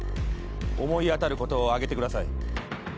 思い当たることを挙げてください。